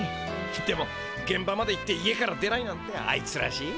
でもげん場まで行って家から出ないなんてあいつらしい。